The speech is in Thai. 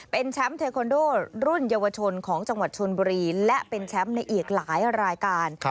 เป็นแชมป์เทคอนโดรุ่นเยาวชนของจังหวัดชนบุรีและเป็นแชมป์ในอีกหลายรายการ